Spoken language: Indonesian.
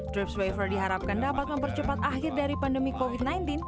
drift swaiver diharapkan dapat mempercepat akhir dari pandemi covid sembilan belas